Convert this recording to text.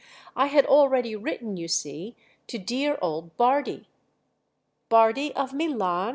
"I had already written, you see, to dear old Bardi." "Bardi of Milan?"